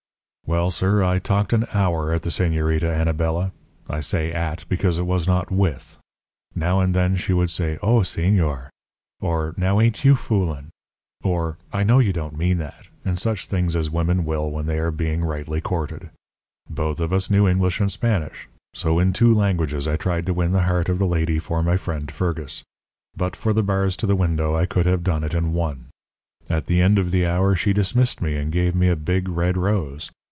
"Well, sir, I talked an hour at the Señorita Anabela. I say 'at' because it was not 'with.' Now and then she would say: 'Oh, Señor,' or 'Now, ain't you foolin'?' or 'I know you don't mean that,' and such things as women will when they are being rightly courted. Both of us knew English and Spanish; so in two languages I tried to win the heart of the lady for my friend Fergus. But for the bars to the window I could have done it in one. At the end of the hour she dismissed me and gave me a big, red rose.